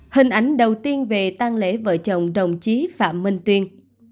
hình ảnh đầu tiên về tăng lễ vợ chồng đồng chí phạm minh tuyên